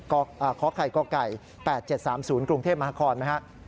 คไข่กไก่๘๗๓๐กรุงเทพฯมหาครนะฮะ